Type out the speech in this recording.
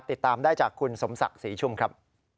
ติดตามได้จากคุณสมศักดิ์ศรีชุ่มครับ